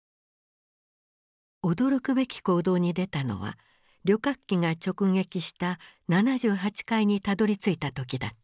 驚くべき行動に出たのは旅客機が直撃した７８階にたどりついた時だった。